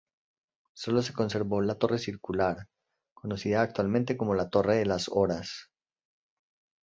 Sólo se conservó la torre circular, conocida actualmente como la Torre de las Horas.